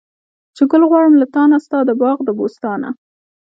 چې ګل غواړم له تانه، ستا د باغه د بوستانه